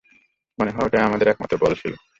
মনে হয় ওটাই আমাদের একমাত্র বল ছিল।